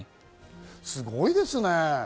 すごいですね。